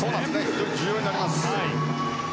非常に重要になります。